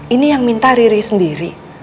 ini yang minta riri sendiri